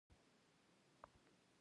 مرکه باید مسلکي وي.